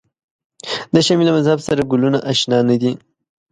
د شمعې له مذهب سره ګلونه آشنا نه دي.